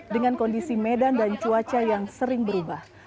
dengan kondisi medan dan cuaca yang sering berubah